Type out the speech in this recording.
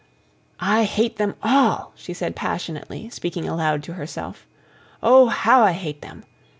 "I hate them all," she said passionately, speaking aloud to herself. "Oh, HOW I hate them!"